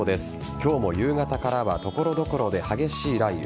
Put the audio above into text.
今日も夕方からは所々で激しい雷雨。